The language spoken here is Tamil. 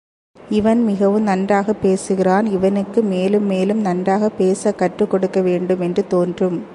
இவன் மிகவும் நன்றாகப் பேசுகிறான் இவனுக்கு மேலும் மேலும் நன்றாகப் பேசக் கற்றுக் கொடுக்க வேண்டும் என்று தோன்றும்.